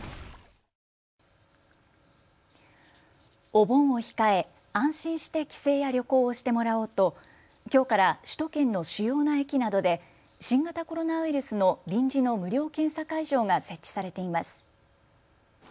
お盆を控え安心して帰省や旅行をしてもらおうときょうから首都圏の主要な駅などで新型コロナウイルスの臨時の無料検査会場が設置されています。